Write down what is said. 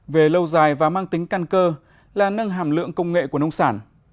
về lâu dài và mang tính căn cơ là nâng hàm lượng công nghệ của nông sản